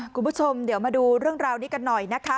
คุณผู้ชมเดี๋ยวมาดูเรื่องราวนี้กันหน่อยนะคะ